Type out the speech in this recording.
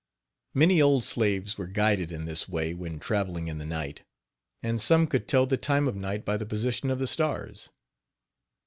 Many old slaves were guided in this way when traveling in the night, and some could tell the time of night by the position of the stars.